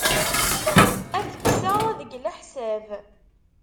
Ad t-kkseɣ deg leḥsab.